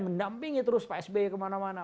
mendampingi terus pak sby kemana mana